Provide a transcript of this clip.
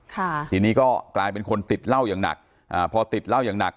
ค่ะทีนี้ก็กลายเป็นคนติดเหล้าอย่างหนักอ่าพอติดเหล้าอย่างหนัก